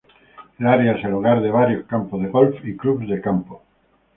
El área es el hogar de varios campos de golf y clubes de campo.